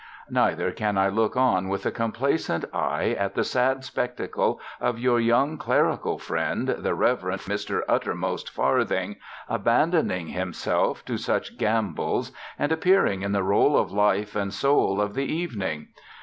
Neither can I look on with a complacent eye at the sad spectacle of your young clerical friend, the Reverend Mr. Uttermost Farthing, abandoning himself to such gambols and appearing in the role of life and soul of the evening.